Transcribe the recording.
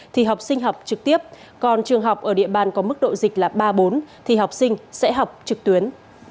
thì học sinh học trực tiếp còn trường học ở địa bàn có mức độ dịch là ba bốn thì học sinh sẽ học trực tuyến